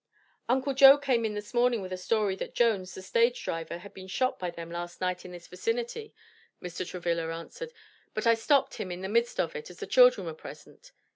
"Uncle Joe came in this morning with a story that Jones, the stage driver had been shot by them last night in this vicinity," Mr. Travilla answered, "but I stopped him in the midst of it, as the children were present.